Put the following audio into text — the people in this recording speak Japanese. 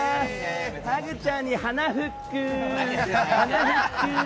ハグちゃんに鼻フック。